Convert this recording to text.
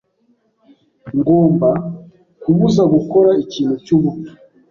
Ngomba kubuza gukora ikintu cyubupfu.